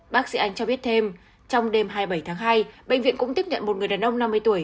bác sĩ anh cho biết thêm trong đêm hai mươi bảy tháng hai bệnh viện cũng tiếp nhận một người đàn ông năm mươi tuổi